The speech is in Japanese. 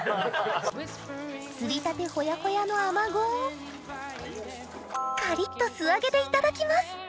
釣りたてホヤホヤのアマゴをカリッと素揚げでいただきます！